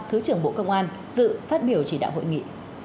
thứ trưởng bộ công an dự phát biểu chỉ đạo hội nghị